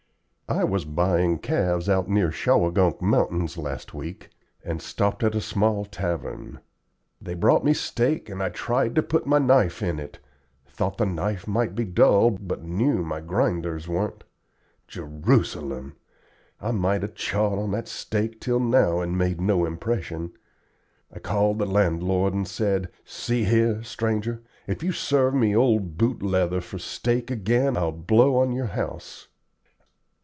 I was buying calves out near Shawangunk Mountains last week, and stopped at a small tavern. They brought me a steak and I tried to put my knife in it thought the knife might be dull, but knew my grinders weren't. Jerusalem! I might have chawed on that steak till now and made no impression. I called the landlord, and said, 'See here, stranger, if you serve me old boot leather for steak again I'll blow on your house.'